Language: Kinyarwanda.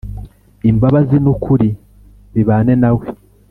Imbabazi n’ukuri bibane nawe.